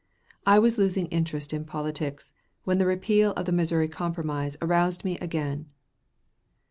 I was losing interest in politics, when the repeal of the Missouri Compromise aroused me again."